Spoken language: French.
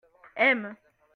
aimes.